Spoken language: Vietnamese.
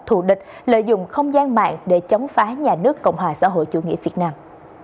thủ địch lợi dụng không gian mạng để chống phá nhà nước cộng hòa xã hội chủ nghĩa việt nam